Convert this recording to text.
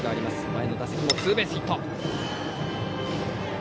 前の打席もツーベースヒット。